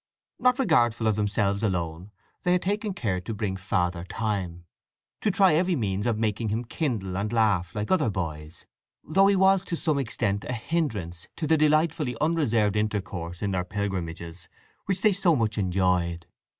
Not regardful of themselves alone, they had taken care to bring Father Time, to try every means of making him kindle and laugh like other boys, though he was to some extent a hindrance to the delightfully unreserved intercourse in their pilgrimages which they so much enjoyed.